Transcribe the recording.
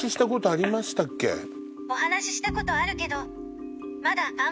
お話したことあるけど。